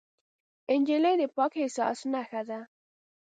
نجلۍ د پاک احساس نښه ده.